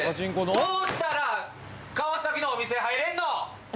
どうしたら川崎のお店入れんの！？